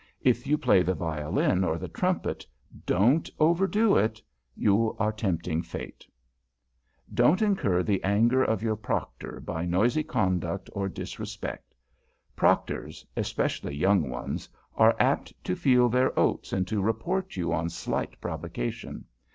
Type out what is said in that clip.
If you play the violin or the trumpet, don't overdo it; you are tempting Fate. [Sidenote: THE PROCTOR] Don't incur the anger of your Proctor by noisy conduct or disrespect. Proctors especially young ones are apt to feel their oats and to report you on slight provocation.